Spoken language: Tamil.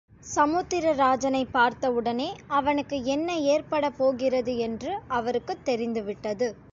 சமுத்திர ராஜனைப் பார்த்தவுடனே அவனுக்கு என்ன ஏற்படப் போகிறது என்று அவருக்குத் தெரிந்துவிட்டது.